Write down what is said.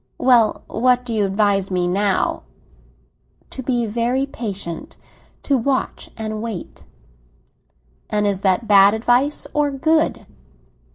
"Well, what do you advise me now?" "To be very patient; to watch and wait." "And is that bad advice or good?"